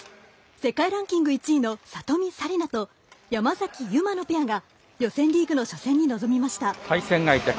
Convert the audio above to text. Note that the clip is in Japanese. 世界ランキング１位の里見紗李奈と山崎悠麻のペアが予選リーグの初戦に臨みました。